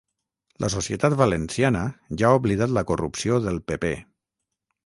La societat valenciana ja ha oblidat la corrupció del pe pe